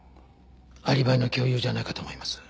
アリバイの共有じゃないかと思います。